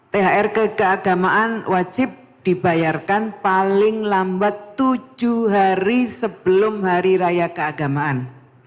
thr ke keagamaan wajib dibayarkan paling lambat tujuh hari sebelum hari raya keagamaan